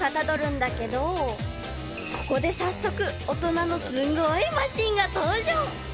［ここで早速大人のすごいマシンが登場！］